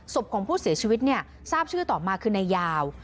ของผู้เสียชีวิตเนี่ยทราบชื่อต่อมาคือนายยาว